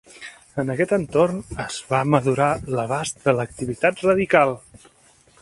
En aquest entorn es va madurar l'abast de l'activitat radical.